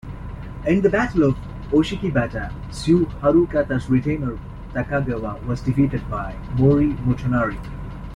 In the Battle of Oshikibata, Sue Harukata's retainer Takagawa, was defeated by Mori Motonari.